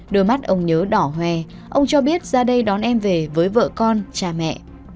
đôi mắt ông nhớ đỏ hòe ông cho biết ra đây đón em về với vợ con cha mẹ